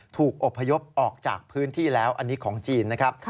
อบพยพออกจากพื้นที่แล้วอันนี้ของจีนนะครับ